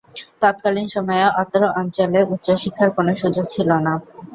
তৎকালিন সময়ে অত্র অঞ্চলে উচ্চশিক্ষার কোন সুযোগ ছিল না।